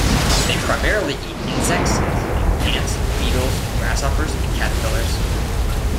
They primarily eat insects, including ants, beetles, grasshoppers, and caterpillars.